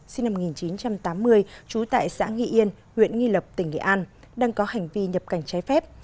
sinh năm một nghìn chín trăm tám mươi trú tại xã nghị yên huyện nghi lập tỉnh nghệ an đang có hành vi nhập cảnh trái phép